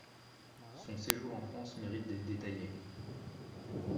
Son séjour en France mérite d'être détaillé.